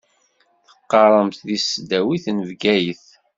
Teqqaṛemt di tesdawit n Bgayet.